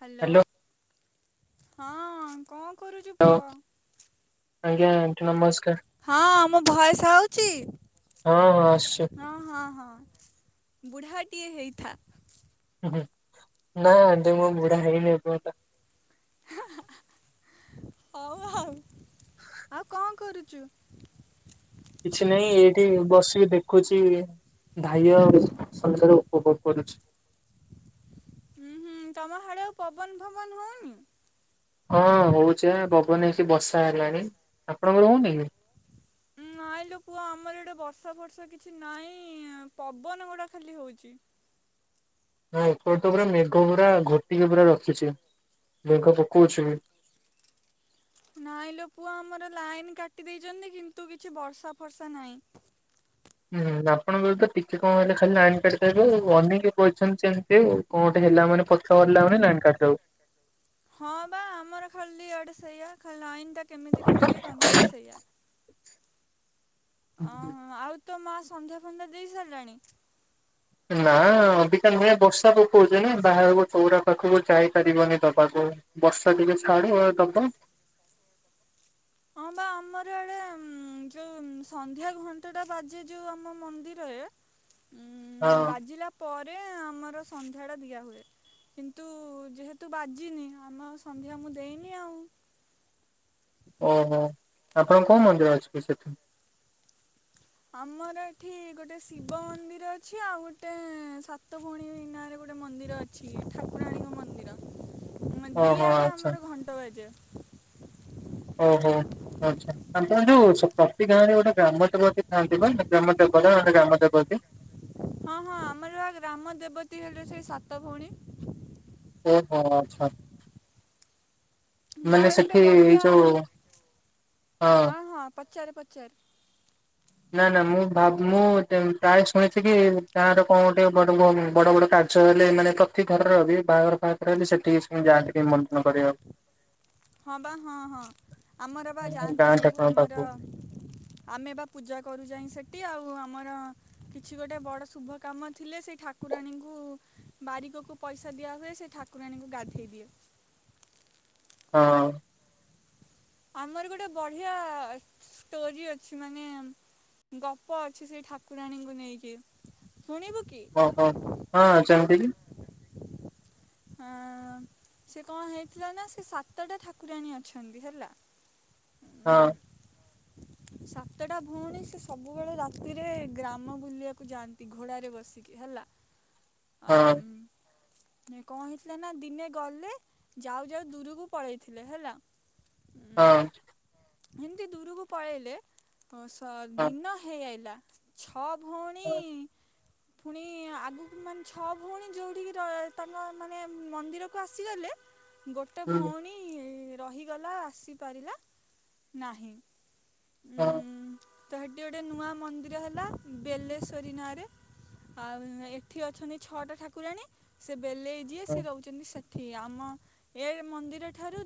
Hello ହଁ କଣ? କରୁଛି ହ୍ୟାଲୋ କୁହ ଆଜ୍ଞା ଆଣ୍ଟି ନମସ୍କାର ହଁ ଆମ ଭଏସ ଆଉଛି ହଁ ହଁ ଆସୁଛି ହଁ ହଁ ହଁ ବୁଢ଼ାଟିଏ ହେଇଥା ନା ଆଣ୍ଟି ମୁଁ ବୁଢା ହେଇନି ଏପର୍ଯ୍ୟନ୍ତ ହଉ ହଉ ଆଉ କଣ କରୁ ଚୁଁ କିଛି ନାହିଁ ଏଠି ବସିକି ଦେଖୁଛି ଧାଇଅ ସଂଗେ ସଂଗେ ଉପଭୋଗ କରୁଛି ହୁଁ ହୁଁ ତମ ହାଡେ ଆ ପବନ ଫବନ ହଉନି ହଁ ହଉଛିନା ପବନ ହେଇଛି ବର୍ସା ହେଲାଣି ଆପଣଙ୍କର ହହୁନି ନାଇଁ ଲୋ ପୁଅ ଆମର ଏଟେ ବର୍ଷା ଫର୍ଷା କିଛି ନାଇଁ ପବନ ଗୁଡା ଖାଲି ହଉଛି ନା ଏର ତ ପୁରା ମେଘ ପୁରା ଘୋଟିକି ପୁରା ରଖିଛି ମେଘ ପକଉଛିୁ ନାଇଁ ଲୋ ପୁଅ ଆମର ଲାଇନ କାଟି ଦେଇଛନ୍ତି କିନ୍ତୁ କିଛି ବର୍ଷା ଫର୍ଷା ନାହିଁ। ହୁଁ ଆପଣଙ୍କର ତ ଟିକେ କଣ ହେଲେ ଖାଲି ଲାଇନ କାଟି ଦଉଛନ୍ତି ଅନେଇଁ କହିଛନ୍ତି ସେମିତିଉ, କଣ ଗୁଟେ ହେଲା ମାନେ ପଛହରିଲାନ ଲାଇନ କାଟିଦେବେ ହଁ ବା ଆମର ଖାଲି ଆଡେ ସେଇୟା ଖଲାଇନ୍। ଟା କେମିତି କାଟିବେ ତାଙ୍କର ସେଇୟା। [unintelligible] [unintelligible] ତୋ ମା ସନ୍ଧ୍ୟା ଫନ୍ଧ୍ୟା ଦେଇ ସାରିଲାଣି। ନା ଅବିକ ବର୍ଷା କହୁଛ ବାହାରରକୁ ଚଉରା ପାଖକୁ ଯାଇପାରିବନି ଦବାକୁ। ବର୍ଷା ଟିକେ ଛାଡିବ ଦବା ହଁ ବା ଆମର ଆଡେ ଯୋଉ ସନ୍ଧ୍ୟା ଘଣ୍ଟାଟା ବାଜେ। ଯୋଉ ଆମ ମନ୍ଦିରରେ ଉଁ ହଁ ବାଜିଲା ପରେ। ଜିଲେ ଆମର ସନ୍ଧ୍ୟା ଟା ଦିଆ ହୁଏ। କିନ୍ତୁ ଯେହେତୁ ବାଜିନି ଆମ ସନ୍ଧ୍ୟା ମୁଁ ଦେଇନି ଆଉ। ଓହୋ ଆପଣ କୋଉ ମନ୍ଦିର ଅଛି କି ସେଠି। ଆମର ଏଠି ଗୋଟେ ଶିବ ମନ୍ଦିର ଅଛି। ଆଉ ଗୋଟେ ସାତ ଭଉଣୀ ନାଁରେ ଗୋଟେ ମନ୍ଦିର ଅଛି। ଠାକୁରାଣୀଙ୍କ ମନ୍ଦିର। ମେ ଓହୋ ଦିଆଡେ ଆଚ୍ଛା ଆମର ଘଣ୍ଟା ବାଜେ। [unintelligible] ଓହୋ ଆଚ୍ଛା ଆପଣ ଯୋଉ ପ୍ରତି ଗାଁ ରେ ଗୋଟେ ଗ୍ରାମ ଦେବତୀ ଥାଆନ୍ତି। ବା ଗ୍ରାମଦେବ ଗ୍ରାମ ଦେବତିୀ। ହଁ ହଁ ଆମର ବା ଗ୍ରାମ ଦେବତୀ ହେଲେ ସେଇ ସାତ ଭଉଣୀ। ଓ ହୋ ଆଚ୍ଛା। ମାନେ ତାର ଗୋଟେ ସେଠି ଏଇ ବଢିଆ ଯୋଉ ହଁ ହଁ ପଚାର। ପଚାର। ନା ନା ମୁଁ ଭାବ ମୁଁ ପ୍ରାୟ ଶୁଣିଛି କି ତାର କଣ ଗୋଟେ ବଡ ବଡ ବଡ଼ କାର୍ଯ୍ୟ ହେଲେ। ମାନେ ପ୍ରତି ଘରର ବାହାଘର ଫାହାଘର ହେଲେ ସେଠିକିସୁଣି ଯାଆନ୍ତି। ଟିକି ମନ୍ଦିର କରିବାଉ। ହଁ ବା ହଁ ହଁ ଆମର ବା ହଁ, ଯାଆନ୍ତି। ଗାଁ ସବୁ ଠାକୁରଙ୍କ ଆମର ପାଖକୁ ଆମେ ବା ପୂଜା କରୁଯାଇଁ ସେଠି। ଆଉ ଆମର କିଛି ଗୋଟେ ବଡ଼ ଶୁଭ କାମ। ଥିଲେ ସେ ଠାକୁରାଣୀଙ୍କୁ ବାରିକକୁ ପଇସା ଦିଆ ହୁଏ। ସେ ଠାକୁରାଣୀଙ୍କୁ ଗାଧେଇ ଦିଏ। ହଁଅଁ। ଆମର ଗୋଟେ ବଢ଼ିଆ ଷ୍ଟୋରି ଅଛି। ମାନେ ଗପ ଅଛି ସେଇ ଠାକୁରାଣୀଙ୍କୁ ନେଇକି। ଶୁଣିବୁ କି ଓହୋ ହଁ ଯେମତିକି ହଁ ସେ କଣ ହେଇଥିଲା। ନା ସେ ସାତଟା ଠାକୁରାଣୀ ଅଛନ୍ତି ହେଲା। ହଁ। ଉଁ, ସାତଟା ଭଉଣୀ ସେ ସବୁବେଳେ ରାତିରେ ଗ୍ରାମ ବୁଲିବାକୁ ଯାଆନ୍ତି। ଘୋଡାରେ ବସିକି ହେଲା। ହଁଅଁ। କଣ ହେଇଥିଲା ନା ଦିନେ ଗଲେ। ଯାଉ ଯାଉ ଦୂରକୁ ପଳେଇଥିଲେ ହେଲା। ହଁ। ହିମିତି ଦୂରକୁ ପଳେଇଲେ। ସ ହଁ ଦିନ ହେଇଆଇଲା। ଛଅ ଭୋ ହଁ। ପୁଣି ଆଗକୁ ମାନେ ଛଅ ଭଉଣୀ ଯୋଉଠିକି ତାଙ୍କ ମାନେ ମନ୍ଦିରକୁ ଆସିଗଲେ ଗୋଟେ ହୁଁ ଭଉଣୀ ରହିଗଲା ଆସିପାରିଲା ନାହିଁ। ହଁ ତ ସେଠି ଗୋଟେ ନୂଆ ମନ୍ଦିର ହେଲା ବେଲେଶ୍ଵରୀ ନାଁରେ ଆଉ ଏଠି ଅଛନ୍ତି ଛଅଟା ଠାକୁରାଣୀ ସେ ବେଲେଇ ଯିଏ ହଁ ସିଏ ରହୁଛନ୍ତି ଠିକ ଆମ ଏ ମନ୍ଦିର ଠାରୁ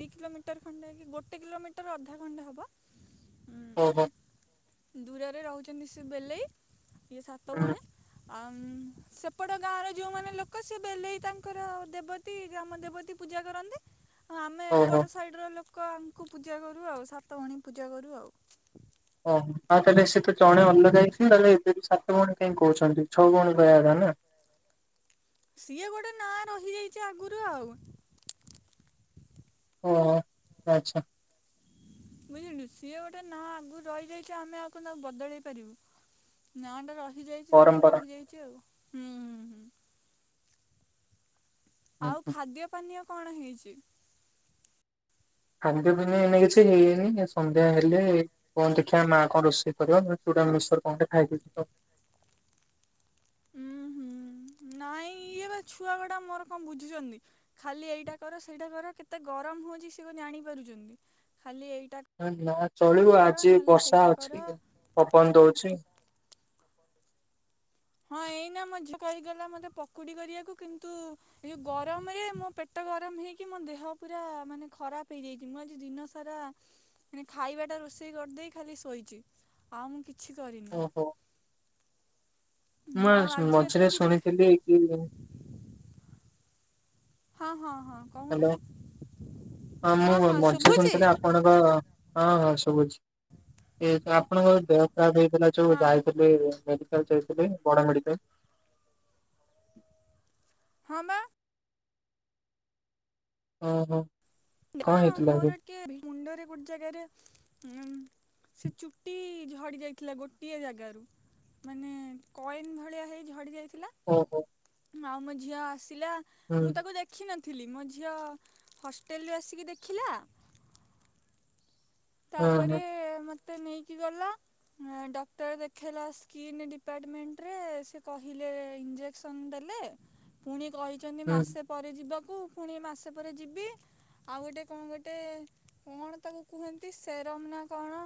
ଦି କିଲୋମିଟର ଖଣ୍ଡେ କି ଗୋଟେ କିଲୋମିଟର ଅଧା ଖଣ୍ଡେ ହେବ। ଉଁ, ଓହୋ ଦୂରରେ ରହୁଛନ୍ତି ସେ ବେଲେଇ। ଇଏ ସାତ ହୁଁ ଭଉଣୀ ଆଉ ସେପଟ ଗାଁର ଯୋଉମାନେ ଲୋକ ସେ ବେଲେଇ ତାଙ୍କର ଦେବତୀ ଗ୍ରାମ ଦେବତୀ ପୂଜା କରନ୍ତି ହଁ ଆମେ ଓହୋ ଏପଟ ସାଇଡ ର ଲୋକ ଲୋକଙ୍କୁ ପୂଜା କରୁ ଆଉ ସାତଭଉଣୀଙ୍କୁ। ପୂଜା କରୁ ଆଉ। ଓହୋ ଆଉ ତାହେଲେ ସେ ତ ଜଣେ ଅଲଗା ହେଇଥିଲା ତାହେଲେ ଏବେ ବି ଛଅଜଣ କାଇଁ କହୁଛନ୍ତି ଛଅ ଭଉଣୀ କହିଆ କଥା ନା। ସିଏ ଗୋଟେ ନାଁ ରହିଯାଇଛି ଆଗରୁ ଆଉ। ଓହୋ ଆଚ୍ଛା। ବୁଝିଲୁ ସିଏ ଗୋଟେ ନାଁ ଆଗରୁ ରହିଯାଇଛି ଆମେ ଆଉ କଣ ତାକୁ ବଦଳେଇ ପାରିବୁ ନାଁ ଟା ରହି ରହିଯାଇଛି ଯେହେତୁ ପରମ୍ପରା ରହିଯାଇଛି ଆଉ। ହୁଁ ହୁଁ ହୁଁ ହୁଁ ଆଉ ହୁଁ ଖାଦ୍ୟ ପାନୀୟ କଣ ହେଇଛି? ଖାଦ୍ୟ ପାନୀୟ ଏମିତି କିଛି ହେଇନି ସନ୍ଧ୍ୟା ହେଲେ କଣ ଦେଖିବା ମା କଣ ରୋଷେଇ କରିବ ନହେଲେ ଚୁଡ଼ା ମିକ୍ସଚର୍ କଣଟେ ଖାଇଦେବି ଆଉ। ଉୁଁ ହୁଁ ନାଇଁ ଇଏ ବା ଛୁଆ ଗୁଡା ମୋର କଣ ବୁଝୁଛନ୍ତି ଖାଲି ଏଇଟା କର ସେଇଟା କର କେତେ ଗରମ ହଉଛି ସେ କଣ ଜାଣି ପାରୁଛନ୍ତି ଖାଲି ଏଇ ନା ଚଳିବ ଆଜି ବର୍ଷା ସେଇଟା କର ଅଛି ପବନ ଦଉଛି ହ ଏଇନା ମୋ ଝିଅ କହିକି ଗଲା ମୋତେ ପକୁଡ଼ି କରିବାକୁ କିନ୍ତୁ ଏ ଗରମରେ ମୋ ପେଟ ଗରମ ହେଇକି ମୋ ଦେହ ପୁରା ମାନେ ଖରାପ ହେଇଯାଇଛି ମୁଁ ଆଜି ଦିନ ସାରା ମାନେ ଖାଇବାଟା ରୋଷେଇ କରିଦେଇ ଖାଲି ଶୋଇଛି ଆଉ ମୁଁ କିଛି କିଛି କରିନି। ମା ଆଉ ଆଜି ଏତେ ମଝିରେ କିଛି ଶୁଣିଥିଲି କି ହଁ ହଁ ହଁ କହୁନ ହ୍ୟାଲୋ ହଁ ମୁଁ ମଝିରେ ଶୁଣିଥିଲି ଆପଣଙ୍କ ହଁ ହଁ। ସବୁ ଅଛି ଠିକ ଅଛି ଆପଣଙ୍କ ଦେହ ଖରାପ ହେଇଥିଲା ଯୋଉ ହଁ ଯାଇଥିଲି ମେଡିକାଲ ଯାଇଥିଲେ ବଡ ମେଡିକାଲ। ହଁ ବା। ଓହୋ ହ କଣ ହେଇଥିଲା କି? ମୋର କେ ମୁଣ୍ଡରେ ଗୋଟେ ଜାଗାରେ ସେ ଚୁଟି ଝଡି ଯାଇଥିଲା ଗୋଟିଏ ଜାଗାରୁ ମାନେ କଏନ ଭଳିଆ ହେଇ ଝଡି ଯାଇଥିଲା। ଓହୋ ମାଉମ ଝିଅ ଆସ ଥିଲା ହୁଁ ମୁଁ ତାକୁ ଦେଖିିନ୍ ଥିଲି ମୋ ଝିଅ ହ ହୋଟେଲୁ ଆସିକି ଦେଖିଲା। ହଁ ହଁ ତାପରେ ମୋ ମୋତେ ନେଇକୀ ଗଲା ଡକ୍ଟର ଦେଖେଇଲା ସ୍କିନ ଡିପାର୍ଟମେଣ୍ଟ ରେ ସେ କହିଲେ ଇଞ୍ଜେସନ୍ ଦେଲେ ପୁଣି କହିଛନ୍ତି ହୁଁ ମାସେ ପରେ ଯିବ କ ତାକୁ ପୁଣି ମାସେ ପରେ ଯିବି ଆଉ ଗୋଟେ କଣ ଗୋଟେ କଣ ତାକୁ କୁହନ୍ତ। ସେରମ ନା କଣ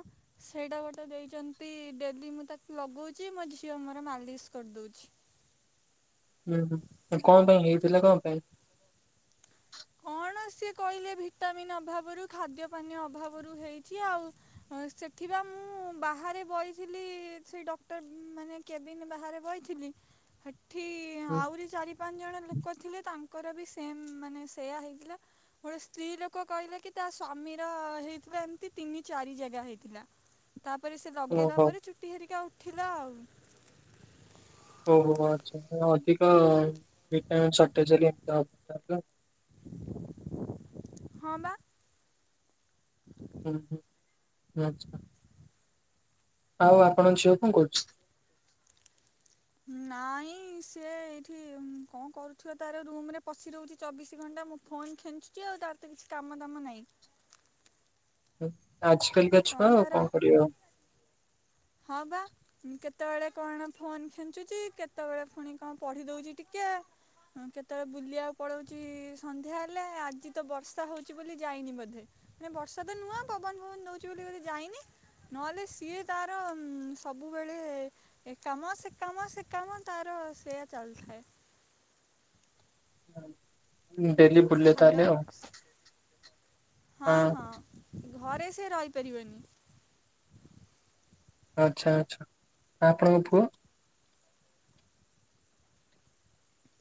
ସେଇଟା ଗୋଟେ ଦେଇଛନ୍ତି ଡେଲି ମୁଁ ତାକୁ ଲଗଉଛି ମୋ ଝିଅ ମୋର ମାଲିସ କରିଦଉଛି। ହୁଁ ହୁଁ କଣ ପାଇଁ ହେଇଥିଲେ କଣ ପାଇଁ କଣ ସିଏ କହିଲେ ଭିଟାମିନ୍ ଅଭାବରୁ ଖାଦ୍ୟ ପାନୀୟ ଅଭାବରୁ ହେଇଛି ଆଉ ସେଥିିବା ମୁଁ ବାହାରେ ବଇଥିଲି ସେ ଡକ୍ଟର ମାନେ କେ୍ୟାବିନ୍ ବାହାରେ ବଇଥିଲି। ଏଠି ହୁଁ। ଆହୁରି ଚାରି ପାଞ୍ଚ ଜଣ ଲୁକ ଥିଲେ ତାଙ୍କ ଙ୍କର ବି ସେମ୍ ମାନେ ସେଇୟା ହେଇଥିଲା। ଗୋଟେ ସ୍ତ୍ରୀ ଲୋକ କହିଲେ କି ତା ସ୍ଵାମୀର ହେଇଥିଲା ଏମତି ତିନି ଚାରି ଜାଗା ହେଇଥିଲା ତାପରେ ସେ ଲଗେଇଦବା ଓହୋ ପରେ ଚୁଟି ହେରିକା ଆଉ ଥିଲା ଆଉ। ଓହୋ ଆଛା ଅଧିକ ଭିଟାମୀନି ସଟେଯ ହେଲେ ଅମିତ୍ ହବ ଆଉ। ହଁ ବା ହୁ ହୁ ଆଛା ଆଉ ଆପଣଙ୍କ ଝିଅ କଣ କରୁଛି। ନାଇଁ ସେ ଏଇଠି କଣ କରୁଥିବ ତାର ରୁମ ରେ ପଶି ରହୁଛି ଚବିଶି ଘଣ୍ଟା ମୁଁ ଫୋନ ଖେଞ୍ଚୁଛି ଆଉ ତାର ତ କିଛି କାମ ଦାମ ନାହିଁ। ହୁଁ ଆଜି କାଲିକା ଛୁଆ ଆଉ କଣ କରିବେ ଆଉ ହଁ ବା କେତେବେଳେ କଣ ଫୋନ୍ ଖେଞ୍ଚୁଛି କେତେବେଳେ ପୁଣି କଣ ପଢି ଦଉଛି ଟିକେ କେତେବେଳେ ବୁଲିବାକୁ ପଳଉଛି ସନ୍ଧ୍ୟା ହେଲେ ଆଜି ତ ବର୍ଷା ହଉଛି ବୋଲି ଯାଇନି ବୋଧେ ମାନେ ବର୍ଷା ତ ନୂଆଁ ପବନ ଫବନ ହଉଛି ବୋଲି ବୋଧେ ଯାଇନି ନହେଲେ ସିଏ ତା ସବୁବେଳେ ଏକାମ ସେକାମ ସେ କାମ ତାର ସେୟା ଚାଲିଥାଏ। ହୁଁ [inaudible] ଡେଲି ବୁଲେ ତା ହ୍ୟାଲୋ ହେଲେ ଆଉ ହଁ ହଁ ଘରେ ସେ ରହିପାରିବନି ଆଛା ଆଛା ଆପଣଙ୍କ ପୁଅ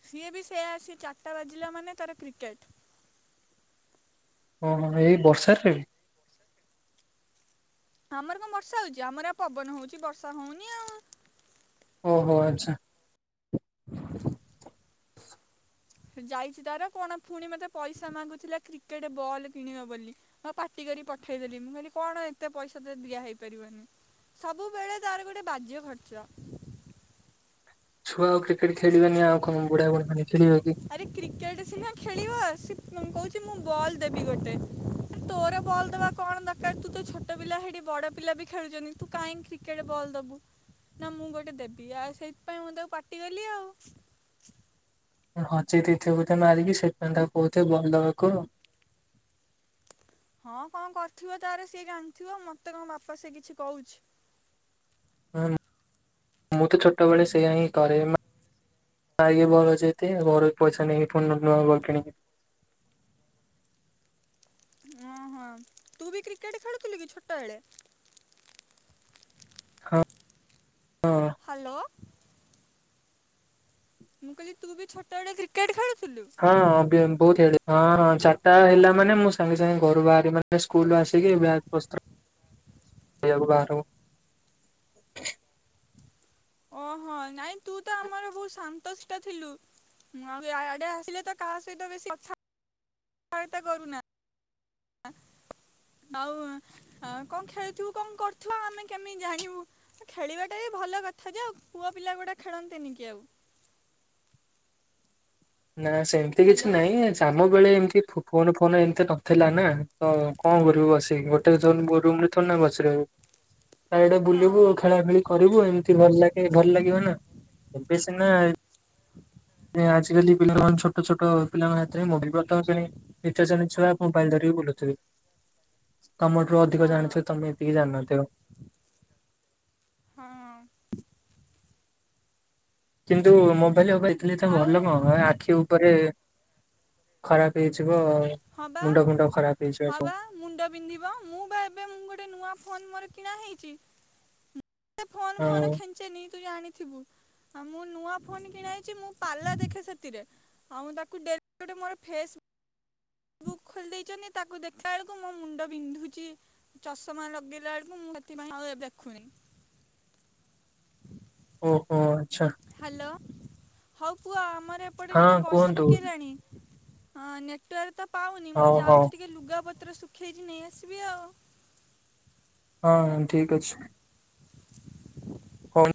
ସିଏ ବି ସେୟା ଆସି ଚାରିଟା ବାଜିଲା ମାନେ ତାର କ୍ରିକେଟ ଓହୋ ଏଇ ବର୍ଷାରେରେ ବି ଆମର କଣ ବର୍ଷା ହଉଛି ଆମର ଆ ପବନ ହଉଛି ବର୍ଷା ହଉନି ଆଉ। ଓହୋ ଆଛା ଯାଇଛି ତାର କଣ ପୁଣି ମତେ ପଇସା ମାଗୁଥିଲା କ୍ରିକେଟ ବଲ୍ କିଣିବ ବୋଲି ପାଟି କରି ପଠେଇଦେଲି ମୁଁ କହିଲି କଣ ଏତେ ପଇସା ତ ଦିଆହେଇ ପାରିବନି ସବୁବେଳେ ତାର ଗୋଟେ ବାଜ୍ୟ ଖର୍ଚ୍ଚ ଛୁଆ ଆଉ କ୍ରିକେଟ ଖେଳିବନି ଆଉ କଣ ବୁଢା ବୁଢୀ ମାନେ ଖେଳିବେ କି? ଆରେ କ୍ରିକେଟ ସିନା ଖେଳିବ ମୁଁ କହୁଛି ମୁଁ ବଲ ଦେବି ଗୋଟେ ତୋର ବଲ୍ ଦବା କଣ ଦରକାର ତୁ ତ ଛୋଟ ପିଲା ହେଠି ବଡ ପିଲା ବି ଖେଳୁଛନ୍ତି ତୁ କାହିଁକି କ୍ରିକେଟରେ ବଲ ଦବୁ ନା ମୁଁ ଗୋଟେ ଦେବି ଆଉ ସେଇଥିପାଇଁ ମୁଁ ତାକୁ ପାଟି କଲି ଆଉ ହଜେଇ ଦେଇଥିବ ବଧେ ମାରିକି ସେଥିପାଇଁ ତା କହୁଥିବେ ବଲ ଦେବାକୁ ହଁ କଣ କରିଥିବ ତାର ସିଏ ଜାଣିଥିବ ମତେ କଣ ବାପା ସେ କିଛି କହୁଛି। ମୁଁ ତ ଛୋଟବେଳେ ସେଇୟା ହିଁ କରେର ଯ ଘର ପଇସା ନେଇକି ପୁ ନୂଆ କିଣ ଓହୋ ତୁ ବି କ୍ରିକେଟ ଖେଳୁଥିଲୁ କି ଛୋଟ ବଳେ ହଁ ହଁ ହ୍ୟାଲୋ ମୁଁ କହିଲି ବି ଛୋଟବେଳେ କ୍ରିକେଟ ଖେଳୁ ହଁ ଅଭିୟନ୍ତ ବ ହଁ ହଁ ଚାରିଟା ହେଲା ମାନେ ମୁଁ ସାଙ୍ଗେ ସାଙ୍ଗେ ଘରୁ ବାହାରି ମାନେ ସ୍କୁଲ ଆସିକି ବଜ ବସ୍ତକୁହାର- ଓହୋ ନାଇଁ ତୁ ତ ଆମର ବହୁତ ଶାନ୍ତ ଠା ଥିଲୁ ଆଉ ଆଡେ ଆସିଲେ ତ କାହା ସହିତ ବେଶୀ କଥା କତା କରୁନା- ଆଉ କଣ ଖେଳୁଥିବୁ କଣ କରୁଥିବଉ ଆମେ କେମିତି ଜାଣିବୁ ଖେଳିବାଟା ବି ଭଲ କଥା ଯେ ଆଉ ପୁଅ ପିଲା ଗୋଟେ ଖେଳନ୍ତିନି କି ଆଉ- ନା ସେମିତି କିଛି ହ୍ୟାଲୋ ନହିଁ ଆମ ବେଳେ ଏମିତି ଫୋନ ଫୋନ ଏମତି ନଥିଲା ନା ତ କଣ କରିବୁ ବସିକି ଗୋଟେ ମୋ ରୁମ ରେ ଥ ନା ବସ ତା ଏଡେ ବୁଲିବୁ ହଁ ଖେଳା ଖେଳି କରିବୁ ଏମିତି ଭଲ ଲେ ଭଲ ଲାଗିବ ନା ଏବେ ସେ ନା ଆଜଜିିକାଲି ପିଲାମାନେ ଛୋଟ ଛୋଟ ପିଲାଙ୍କ ହାତରେ ମୁଁ ବି ପ୍ରଥମ ଶ୍ରେଣୀ ନିତ ଶ୍ରେଣୀ ଛୁଆ ମୋବାଇଲ ଧରରିିକି ବୁଲୁଥିବି ତମଠୁ ଅଧିକ ହଁ ଜାଣିଥିବ ତମେ ଏତିକି ଜାନିନଥିବ। ହଁ କିନ୍ତୁ ମୋ କହ ହ ଏଥିଲି ତ ଆଉ ଭଲ କଣ ଆଖିଉ ପରେ ଖରାପ ହେଇଛି। ହବା ସବୁ ହବା ମୁଣ୍ଡ ପନ୍ଧିବ ମୁଁ ବା ଏ ଗୋଟେ ନୂଆ ଫୋ ମୋ- କିଣା ହେଇଛି। ଫୋନ ଫୋନ ହଁ ଖେଚେ ନିି। ତୁ ଜାଣିଥିବୁ ଆଉ ମୁଁ ନୂଆ ଫୋନ କିଣାଇ। ମୁଁ ପାରିଲା ଦେଖେ ସେଥିରେ ଆଉ ତାକୁ ଡେଲି ଗୋଟେ ମୋର ଫେସ୍ ବୁକ୍ ଖୋଲି ଦେଇେଇଛନ୍ତି ତାକୁ ଦେଖିଲା ବେଳକୁ ମୋ ମୁଣ୍ଡ ବିନ୍ଧୁଛି ଚଷମା ଲଗେଇଲା ବେଳକୁ ମୁଁ ସେଥିପାଇଁ ଆଉ ଏ ଦେଖୁନି ଓହୋ ଆଚ୍ଛା ହ୍ୟାଲୋ ହଉ କୁ ଆମନ- ଏପଟେ ହଁ ଟିକେ ବର୍ଷା କୁହନ୍ତୁ ପକେଇଲାଣି- ହଁ ନେଟୱର୍କ ତ ପାଉନି ମୁଁ ହଉ ହଉ। ଯାଉଛି ଟିକେ ଲୁଗାପ ପତ୍ର ଶୁଖେଇଛି ନେଇ ଆସିବି ଆଉ ହଁ ଠିକ ଅଛି ହ